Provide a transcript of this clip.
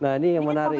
nah ini yang menarik